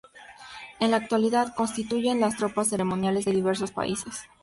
En la actualidad, constituyen las tropas ceremoniales de diversos países.